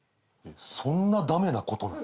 そんな駄目なことなの？